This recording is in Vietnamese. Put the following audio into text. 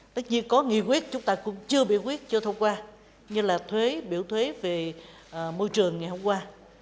tất nhiên có nghị quyết chúng ta cũng chưa bị quyết cho thông qua như là biểu thuế về môi trường ngày hôm qua